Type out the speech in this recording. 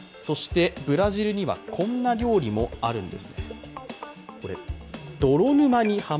ブラジルには、こんな料理もあるんです。